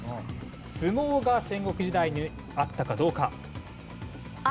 相撲が戦国時代にあったかどうか？